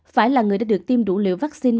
phải là người đã được tiêm đủ liều vaccine